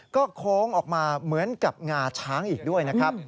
ก็โค้งออกมาเหมือนกับงาช้างอีกด้วยนะครับ